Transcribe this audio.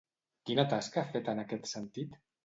Quina tasca ha fet en aquest sentit?